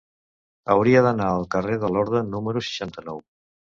Hauria d'anar al carrer de Lorda número seixanta-nou.